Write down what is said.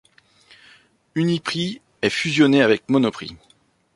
Uniprix est fusionné avec Monoprix.